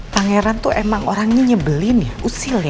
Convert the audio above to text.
pangeran tuh emang orangnya nyebelin ya usil ya